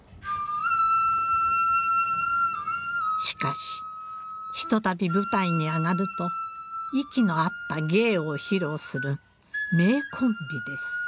しかし一たび舞台に上がると息の合った芸を披露する名コンビです。